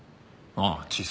ああ。